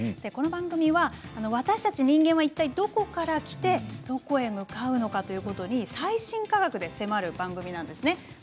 この番組はまた人間はいったいどこから来てどこへ向かっていくのかということに最新科学で迫る番組なんです。